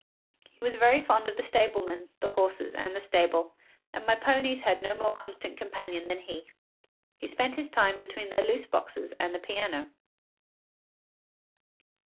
He was very fond of the stablemen, the horses, and the stable, and my ponies had no more constant companion than he. He spent his time between their loose boxes and the piano.